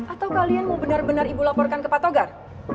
atau kalian mau benar benar ibu laporkan ke pak togar